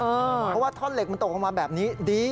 เพราะว่าท่อนเหล็กมันตกลงมาแบบนี้ดี